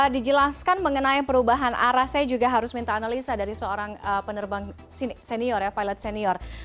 dijelaskan mengenai perubahan arah saya juga harus minta analisa dari seorang penerbang senior ya pilot senior